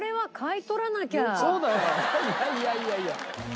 いやいやいやいやいや。